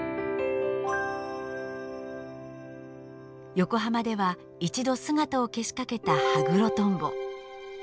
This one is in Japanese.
横浜では一度姿を消しかけたハグロトンボ。